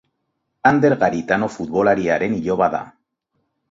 Ander Garitano futbolariaren iloba da.